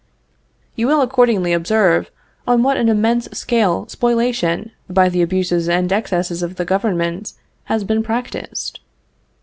You will accordingly observe on what an immense scale spoliation, by the abuses and excesses of the government, has been practiced.